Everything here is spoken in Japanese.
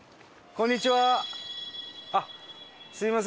こんにちは。